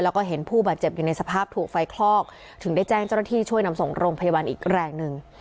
แล้วก็เห็นผู้บาดเจ็บอยู่ในสภาพถูกไฟคลอกถึงได้แจ้งเจ้าหน้าที่ช่วยนำส่งโรงพยาบาลอีกแรงหนึ่ง